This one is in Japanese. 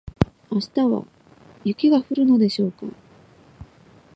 明日は雪が降るのでしょうか